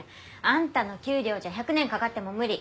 あんたの給料じゃ１００年かかっても無理。